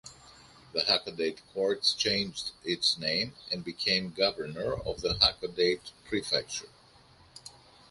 The Hakodate Court changed its name and became governor of the Hakodate Prefecture.